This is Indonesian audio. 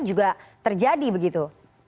juga terjadi begitu